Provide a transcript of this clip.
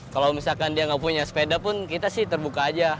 kalau misalkan dia nggak punya sepeda pun kita sih terbuka aja